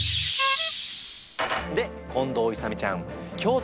で近藤勇ちゃん